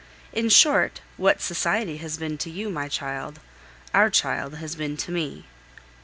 In short, what society has been to you, my child our child has been to me!